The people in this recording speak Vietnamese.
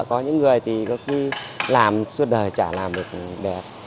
có những người thì có khi làm suốt đời chả làm được đẹp